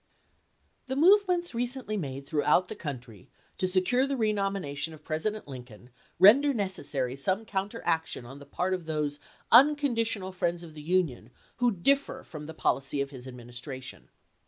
The movements recently made throughout the country to secure the renomination of President Lincoln render necessary some counteraction on the part of those uncon ditional friends of the Union who differ from the policy of his Administration.